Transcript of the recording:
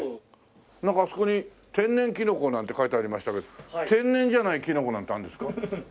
なんかあそこに「天然きのこ」なんて書いてありましたけど天然じゃないきのこなんてあるんですか？